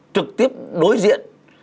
trực tiếp đối diện